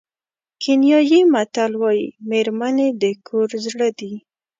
کینیايي متل وایي مېرمنې د کور زړه دي.